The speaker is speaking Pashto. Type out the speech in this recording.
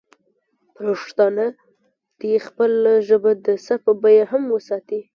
پښتانه دې خپله ژبه د سر په بیه هم وساتي.